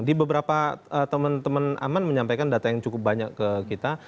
di beberapa teman teman aman menyampaikan data yang cukup banyak ke kita